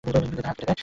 তার হাত কেটে দিয়ে?